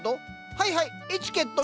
はいはいエチケットね。